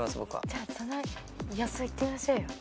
じゃあその予想いってみましょうよ。